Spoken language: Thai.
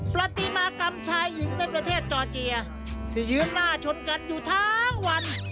ปฏิมากรรมชายหญิงในประเทศจอร์เจียที่ยืนหน้าชนกันอยู่ทั้งวัน